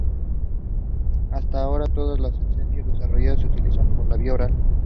Hasta ahora todas las estatinas desarrolladas se utilizan por vía oral.